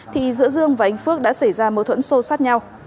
thì giữa dương và anh phước đã xảy ra mối thuẫn sâu sát nhau